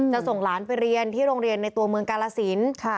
ส่งหลานไปเรียนที่โรงเรียนในตัวเมืองกาลสิน